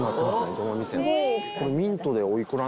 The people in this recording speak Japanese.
どの店も。